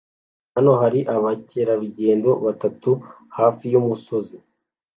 Hano hari abakerarugendo batatu hafi yumusozi